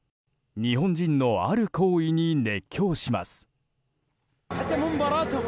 日本人のある行為に熱狂します。